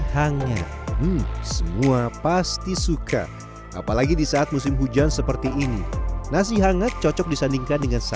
jangan lupa untuk berlangganan